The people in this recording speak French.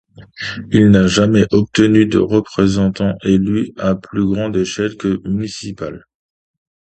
Il n'a jamais obtenu de représentants élus à plus grande échelle que municipale.